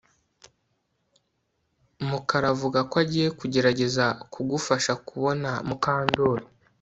Mukara avuga ko agiye kugerageza kugufasha kubona Mukandoli